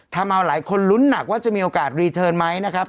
ทำเอาหลายคนลุ้นหนักว่าจะมีโอกาสรีเทิร์นไหมนะครับ